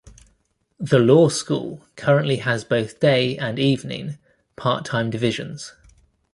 The law school currently has both day and evening, part-time divisions.